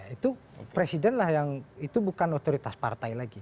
itu presiden lah yang itu bukan otoritas partai lagi